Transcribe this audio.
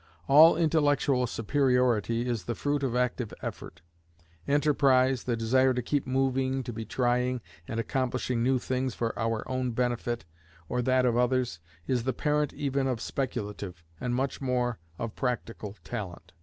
All intellectual superiority is the fruit of active effort. Enterprise, the desire to keep moving, to be trying and accomplishing new things for our own benefit or that of others, is the parent even of speculative, and much more of practical, talent.